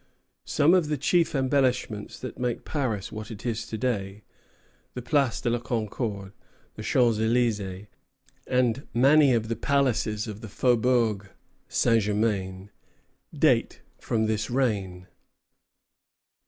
Some of the chief embellishments that make Paris what it is to day the Place de la Concorde, the Champs Élysées, and many of the palaces of the Faubourg St. Germain date from this reign.